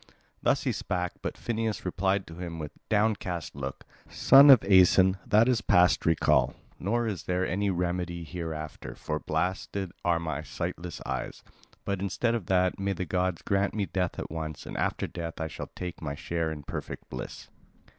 Thus he spake, but Phineus replied to him with downcast look: "Son of Aeson, that is past recall, nor is there any remedy hereafter, for blasted are my sightless eyes. But instead of that, may the god grant me death at once, and after death I shall take my share in perfect bliss."